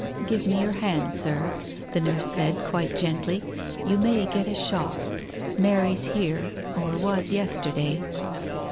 "Give me your hand, Sir," the nurse said quite gently. "You may get a shock. Mary's here, or was yesterday."